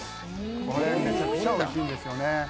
これめちゃめちゃおいしいんですよね。